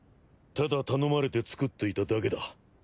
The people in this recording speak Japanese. ただ頼まれて作っていただけだ。